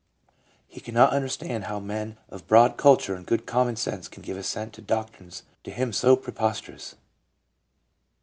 He cannot understand how men of broad culture and good common sense can give assent to doctrines to him so preposterous.